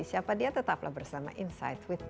siapa dia tetaplah bersama insight with desi anwar